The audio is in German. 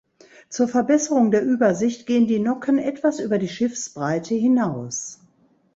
Zur Verbesserung der Übersicht gehen die Nocken etwas über die Schiffsbreite hinaus.